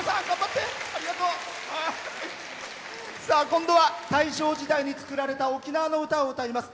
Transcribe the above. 今度は大正時代に作られた沖縄の歌を歌います。